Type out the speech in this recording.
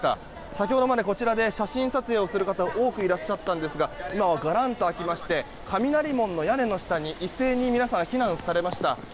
先ほどまでこちらで写真撮影をする方多くいらっしゃたっんですが今は、がらんと空きまして雷門の屋根の下に一斉に皆さん、避難されました。